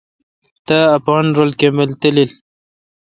تا اپین رل کمبل تالیل۔